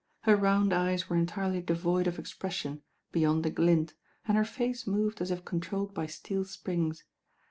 Her round eyes were entirely devoid of expression, be yond a glint, and her face moved as if controlled by steel springs.